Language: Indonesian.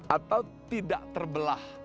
atau tidak terbelah